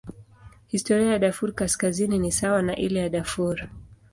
Historia ya Darfur Kaskazini ni sawa na ile ya Darfur.